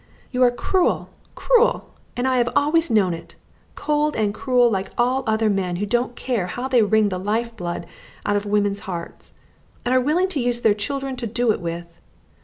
You are cruel, cruel, and I have always known it, cold and cruel like all other men who don't care how they wring the life blood out of women's hearts, and are willing to use their children to do it with.